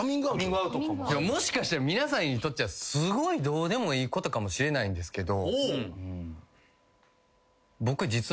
もしかしたら皆さんにとっちゃすごいどうでもいいことかもしれないんですけど。